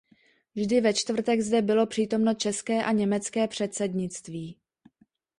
Vždy ve čtvrtek zde bylo přítomno české a německé předsednictví.